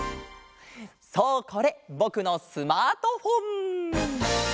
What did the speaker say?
そうこれぼくのスマートフォン！